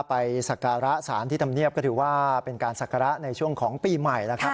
สักการะสารที่ธรรมเนียบก็ถือว่าเป็นการศักระในช่วงของปีใหม่แล้วครับ